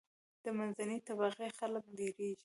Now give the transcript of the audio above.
د منځنۍ طبقی خلک ډیریږي.